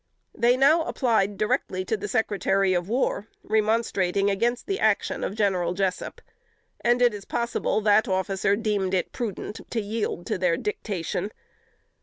They now applied directly to the Secretary of War, remonstrating against the action of General Jessup; and it is possible that officer deemed it prudent to yield to their dictation.